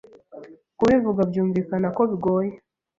Kubivuga byumvikana ko bigoye